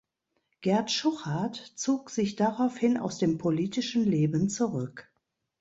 Gerd Schuchardt zog sich daraufhin aus dem politischen Leben zurück.